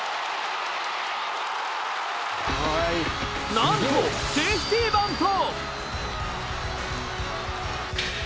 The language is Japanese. なんとセーフティーバント！